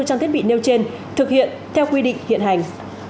trang thiết bị nêu trên thực hiện theo quy định hiện hành